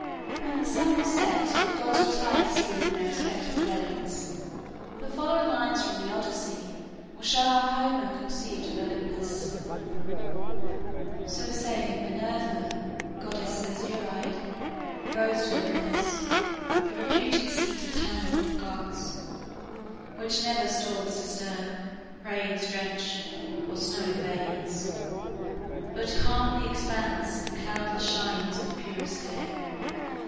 When the sun was set, the gods retired to sleep in their respective dwellings. The following lines from the "Odyssey" will show how Homer conceived of Olympus: "So saying, Minerva, goddess azure eyed, Rose to Olympus, the reputed seat Eternal of the gods, which never storms Disturb, rains drench, or snow invades, but calm The expanse and cloudless shmes with purest day.